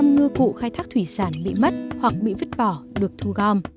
một trăm linh ngư cụ khai thác thủy sản bị mất hoặc bị vứt bỏ được thu gom